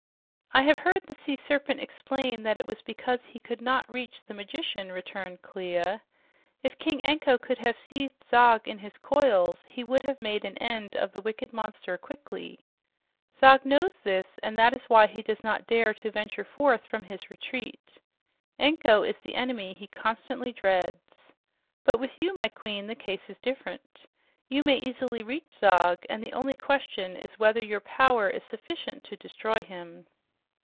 "I have heard the sea serpent explain that it was because he could not reach the magician," returned Clia. "If King Anko could have seized Zog in his coils, he would have made an end of the wicked monster quickly. Zog knows this, and that is why he does not venture forth from his retreat. Anko is the enemy he constantly dreads. But with you, my queen, the case is different. You may easily reach Zog, and the only question is whether your power is sufficient to destroy him."